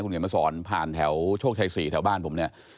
คุณเห็นไหมสอนผ่านแถวโชคชัย๔แถวบ้านผมเนี่ย